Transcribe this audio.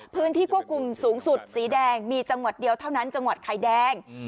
พื้นที่ควบคุมสูงสุดสีแดงมีจังหวัดเดียวเท่านั้นจังหวัดไข่แดง